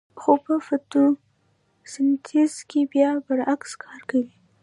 خو په فتوسنتیز کې بیا برعکس کار کوي